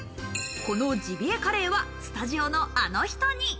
このジビエカレーはスタジオのあの人に。